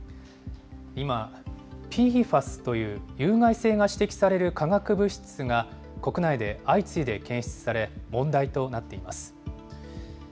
今、ＰＦＡＳという有害性が指摘される化学物質が国内で相次いで検出され、問題となっています。